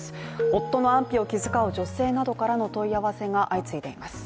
夫の安否を気遣う女性などからの問い合わせが相次いでいます。